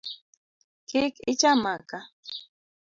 Kik icham maka.